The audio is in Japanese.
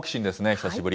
久しぶり。